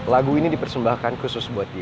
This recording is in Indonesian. lagu ini dipersembahkan khusus buat dia